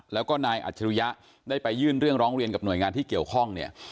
แล้วก็นายอัจฉริยะได้ไปยื่นเรื่องร้องเรียนกับหน่วยงานที่เกี่ยวข้องเนี่ย